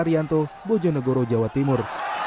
irianto bojonegoro jawa timur